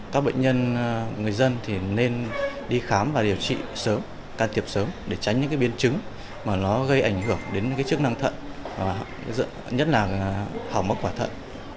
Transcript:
các bệnh nhân người dân thì nên đi khám và điều trị sớm can thiệp sớm để tránh những biến chứng mà nó gây ảnh hưởng đến chức năng thận nhất là hỏng mắc quả thận